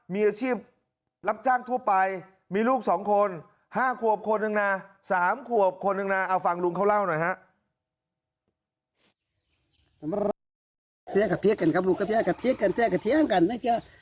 มีอาชีพรับจ้างทั่วไปมีลูกสองคนห้าขวบคนหนึ่งนะสามขวบคนหนึ่งนะ